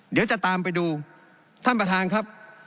เดี๋ยวจะตามไปดูท่านประธานครับ